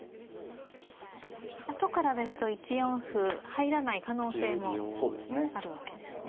後からですと１四歩入らない可能性もあるわけですね。